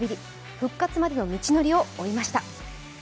復活までの道のりを追いました。